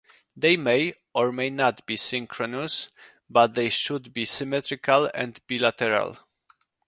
They may or may not be synchronous, but they should be symmetrical and bilateral.